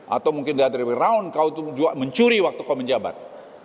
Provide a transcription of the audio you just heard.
atau mungkin dari around kau mencuri waktu kau menjabat